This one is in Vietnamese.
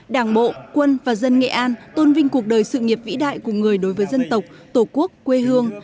đảng bộ quân và dân nghệ an tôn vinh cuộc đời sự nghiệp vĩ đại của người đối với dân tộc tổ quốc quê hương